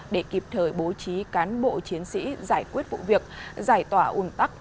để kịp thời bố trí cán bộ chiến sĩ giải quyết vụ việc giải tỏa ủn tắc